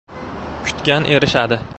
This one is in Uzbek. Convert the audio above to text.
• Kutgan — erishadi.